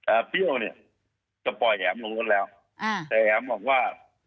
อ่าเฟี่ยวเนี่ยจะปล่อยแอ๋มลงรถแล้วอ่าแต่แอ๋มบอกว่า